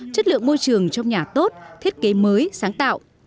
chất lượng môi trường trong nhà tốt thiết kế mới sáng tạo